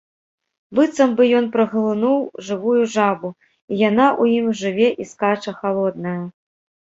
Быццам бы ён праглынуў жывую жабу і яна ў ім жыве і скача, халодная.